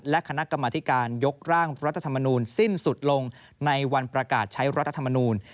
และคณะกรรมธิการยกร่างรัฐธรรมนูลสิ้นสุดลงในวันประกาศใช้รัฐธรรมนูล